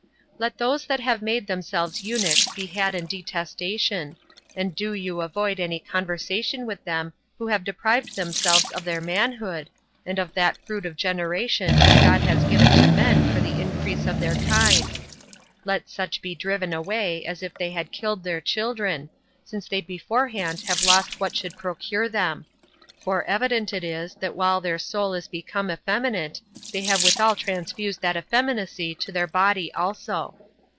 40. Let those that have made themselves eunuchs be had in detestation; and do you avoid any conversation with them who have deprived themselves of their manhood, and of that fruit of generation which God has given to men for the increase of their kind: let such be driven away, as if they had killed their children, since they beforehand have lost what should procure them; for evident it is, that while their soul is become effeminate, they have withal transfused that effeminacy to their body also.